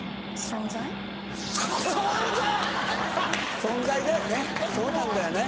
存在だよね